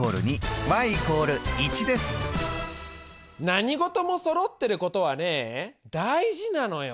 何事もそろってることはねえ大事なのよ！